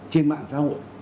trên mạng xã hội